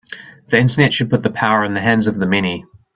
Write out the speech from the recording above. The Internet should put the power in the hands of the many